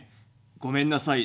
ごめんなさい。